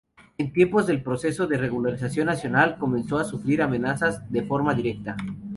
En tiempos del Proceso de Reorganización Nacional, comenzó a sufrir amenazas de forma directa.